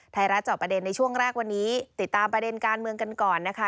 จอบประเด็นในช่วงแรกวันนี้ติดตามประเด็นการเมืองกันก่อนนะคะ